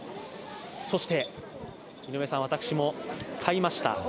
そして井上さん、私も買いました。